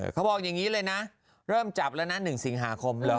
เขาบอกอย่างนี้เลยนะเริ่มจับแล้วนะ๑สิงหาคมเลย